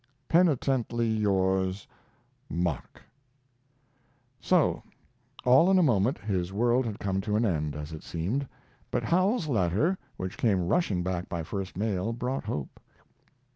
Penitently yours, MARK So, all in a moment, his world had come to an end as it seemed. But Howells's letter, which came rushing back by first mail, brought hope.